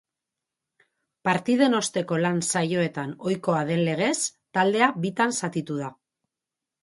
Partiden osteko lan saioetan ohikoa den legez, taldea bitan zatitu da.